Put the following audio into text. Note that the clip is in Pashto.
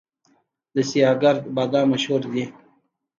د سیاه ګرد بادام مشهور دي